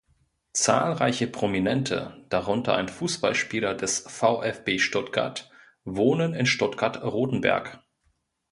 Zahlreiche Prominente, darunter ein Fußballspieler des VfB Stuttgart, wohnen in Stuttgart-Rotenberg.